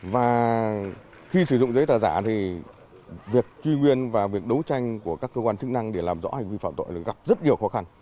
và khi sử dụng giấy tờ giả thì việc truy nguyên và việc đấu tranh của các cơ quan chức năng để làm rõ hành vi phạm tội gặp rất nhiều khó khăn